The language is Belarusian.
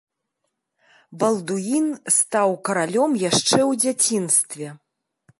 Балдуін стаў каралём яшчэ ў дзяцінстве.